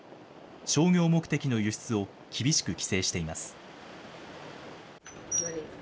商業目的の輸出を厳しく規制しています。